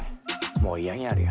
もう嫌になるよ。